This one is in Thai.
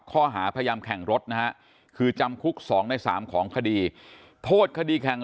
ข้อหาพยายามแข่งรถนะฮะคือจำคุก๒ใน๓ของคดีโทษคดีแข่ง